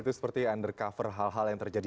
itu seperti undercover hal hal yang terjadi